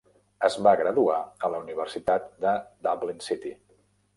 Es va graduar a la Universitat de Dublin City.